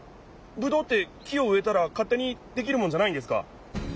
ぶどうって木をうえたらかってにできるもんじゃないんですか？